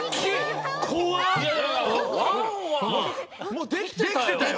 もうできてたよ。